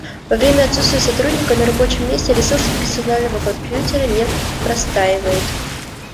Во время отсутствия сотрудника на рабочем месте ресурсы персонального компьютера не простаивают